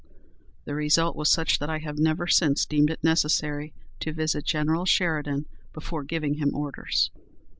The result was such that I have never since deemed it necessary to visit General Sheridan before giving him orders."